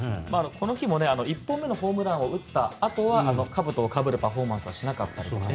この日も１本目のホームランを打ったあとはかぶとをかぶるパフォーマンスはしなかったと。